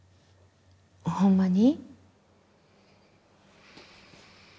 ほんまに？